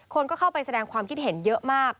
คนก็เข้าไปแสดงความคิดเห็นเยอะมาก